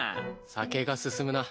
酒が進むな。